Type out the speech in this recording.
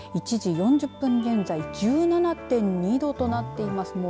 １時４０分現在１７．２度となっています。